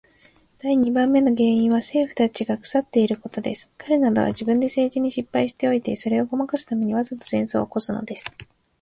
第二番目の原因は政府の人たちが腐っていることです。彼等は自分で政治に失敗しておいて、それをごまかすために、わざと戦争を起すのです。